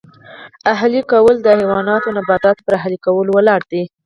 اهلي کول د حیواناتو او نباتاتو پر اهلي کولو ولاړ دی